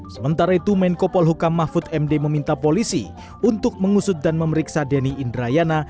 sementara itu menko polhukam mahfud md meminta polisi untuk mengusut dan memeriksa denny indrayana